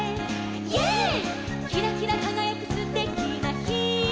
「イエーイ」「きらきらかがやくすてきなひ」